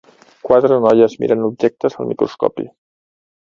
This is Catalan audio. Quatre noies miren objectes al microscopi.